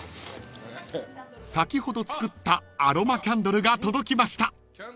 ［先ほど作ったアロマキャンドルが届きました］